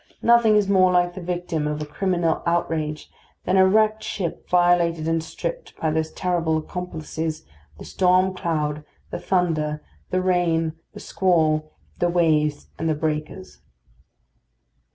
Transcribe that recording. Nothing is more like the victim of a criminal outrage than a wrecked ship violated and stripped by those terrible accomplices, the storm cloud, the thunder, the rain, the squall, the waves, and the breakers.